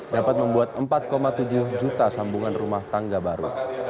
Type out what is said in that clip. dapat membuat empat tujuh juta sambungan rumah tangga baru